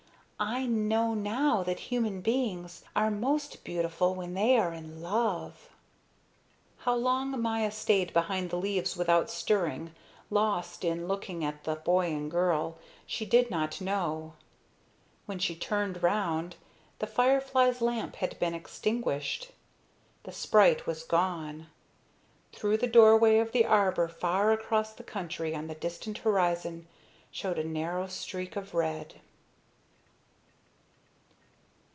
"I know now that human beings are most beautiful when they are in love." How long Maya stayed behind the leaves without stirring, lost in looking at the boy and girl, she did not know. When she turned round, the firefly's lamp had been extinguished, the sprite was gone. Through the doorway of the arbor far across the country on the distant horizon showed a narrow streak of red.